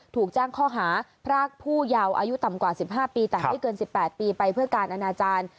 ถูกแจ้งข้อหาพรากผู้เยาว์อายุต่ำกว่า๑๕ปีแต่ไม่เกิน๑๘ปีไปเพื่อการอนาจารย์